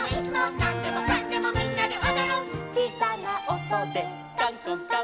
「なんでもかんでもみんなでおどる」「ちいさなおとでかんこんかん」